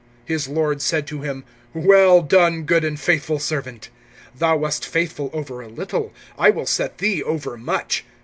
(21)His lord said to him: Well done, good and faithful servant; thou wast faithful over a little, I will set thee over much.